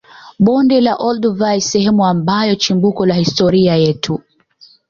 Bonde la olduvai sehemu ambayo chimbuko la historia yetu